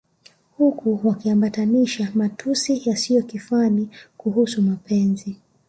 huku wakiambatanisha matusi yasiyo kifani kuhusu mapenzi